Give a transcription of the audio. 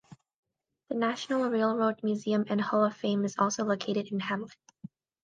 The National Railroad Museum and Hall of Fame is also located in Hamlet.